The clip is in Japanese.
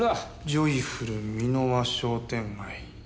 「ジョイフル三の輪商店街」。